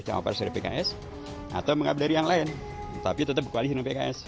cawapres dari pks atau mengabdi dari yang lain tapi tetap berkoalisi dengan pks